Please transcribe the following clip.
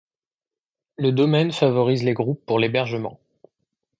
Le Domaine favorise les groupes pour l'hébergement.